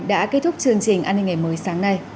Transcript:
đã kết thúc chương trình an ninh ngày mới sáng nay